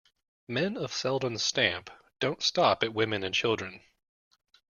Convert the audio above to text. Men of Selden's stamp don't stop at women and children.